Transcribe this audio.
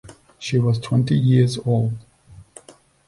She was twenty years old.